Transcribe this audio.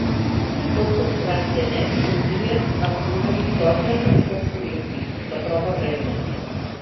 Tots els grans genets somien amb una victòria en els Jocs Olímpics, la prova reina.